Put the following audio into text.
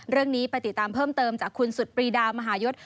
เรื่องนี้ไปติดตามเพิ่มเติมจากคุณสุดปรีดามหายศ